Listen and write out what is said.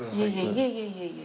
いえいえいえいえ。